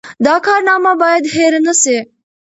دا کارنامه باید هېره نه سي.